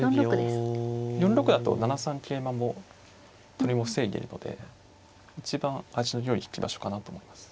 ４六だと７三桂馬も取りも防いでるので一番味のよい引き場所かなと思います。